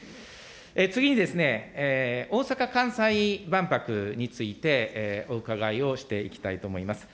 次にですね、大阪・関西万博についてお伺いをしていきたいと思います。